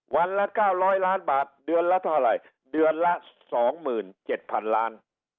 วันละ๙๐๐ล้านบาทเดือนละเท่าไหร่เดือนละ๒๗๐๐๐ล้าน